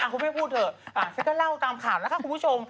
อ้าคุณแม่พูดเถอะฉันก็เล่ากับตามข่าวน่ะค่ะคุณผู้ชม